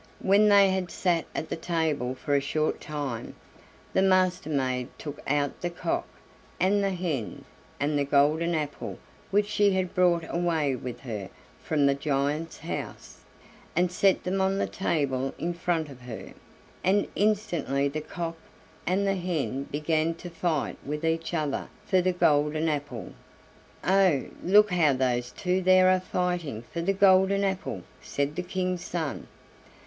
When they had sat at the table for a short time, the Master maid took out the cock, and the hen, and the golden apple which she had brought away with her from the giant's house, and set them on the table in front of her, and instantly the cock and the hen began to fight with each other for the golden apple. "Oh! look how those two there are fighting for the golden apple," said the King's son.